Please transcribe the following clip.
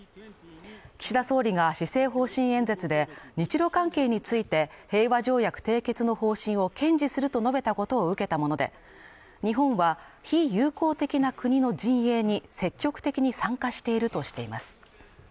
岸田総理が施政方針演説で日ロ関係について平和条約締結の方針を堅持すると述べたことを受けたもので日本は非友好的な国の陣営に積極的に参加しているとしています